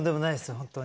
本当に。